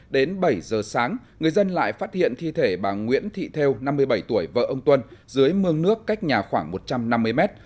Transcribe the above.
đến bảy giờ sáng người dân lại phát hiện thi thể bà nguyễn thị thêu năm mươi bảy tuổi vợ ông tuân dưới mương nước cách nhà khoảng một trăm năm mươi mét